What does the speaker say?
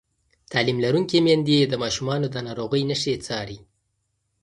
تعلیم لرونکې میندې د ماشومانو د ناروغۍ نښې څاري.